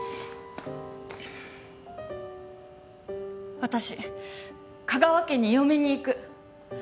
私香川家に嫁に行く。